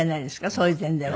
そういう点では。